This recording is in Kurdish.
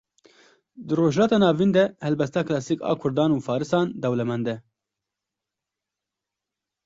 Di rojhilata navîn de helbesta kilasîk a Kurdan û farisan dewlemend e